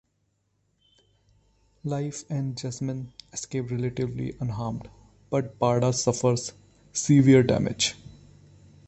Lief and Jasmine escaped relatively unharmed, but Barda suffers severe damage.